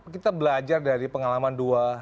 kita belajar dari pengalaman dua ribu delapan belas